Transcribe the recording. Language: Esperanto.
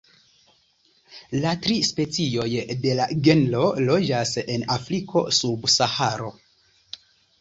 La tri specioj de la genro loĝas en Afriko sub Saharo.